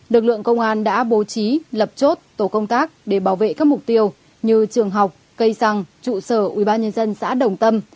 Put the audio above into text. lực lượng công an đã bố trí lập chốt tổ công tác để bảo vệ các mục tiêu như trường học cây xăng trụ sở ubnd xã đồng tâm